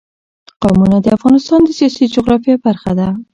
قومونه د افغانستان د سیاسي جغرافیه برخه ده.